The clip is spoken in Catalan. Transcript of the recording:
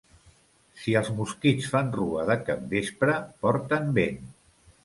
Si els mosquits fan rua de capvespre, porten vent.